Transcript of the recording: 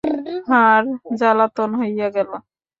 হাড় জ্বালাতন হইয়া গেল।